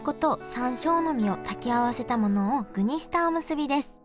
山椒の実を炊き合わせたものを具にしたおむすびです。